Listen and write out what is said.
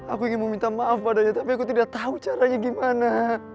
aku ingin meminta maaf padanya tapi aku tidak tahu caranya gimana